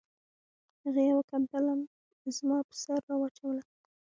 هغې یوه کمپله زما په سر را واچوله